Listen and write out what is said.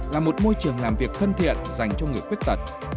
là một môi trường làm việc thân thiện dành cho người khuyết tật